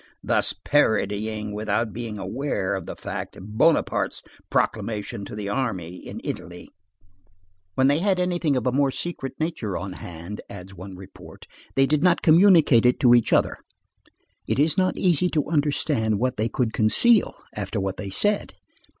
thus parodying without being aware of the fact, Bonaparte's proclamation to the army in Italy: "When they had anything of a more secret nature on hand," adds one report, "they did not communicate it to each other." It is not easy to understand what they could conceal after what they said.